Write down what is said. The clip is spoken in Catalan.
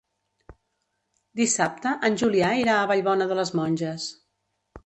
Dissabte en Julià irà a Vallbona de les Monges.